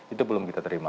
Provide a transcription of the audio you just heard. itu belum kita terima